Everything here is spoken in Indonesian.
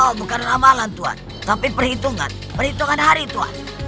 oh bukan ramalan tuan tapi perhitungan perhitungan hari tuhan